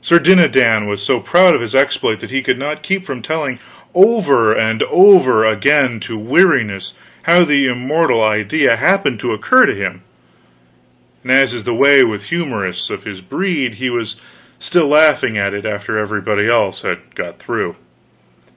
Sir Dinadan was so proud of his exploit that he could not keep from telling over and over again, to weariness, how the immortal idea happened to occur to him; and as is the way with humorists of his breed, he was still laughing at it after everybody else had got through.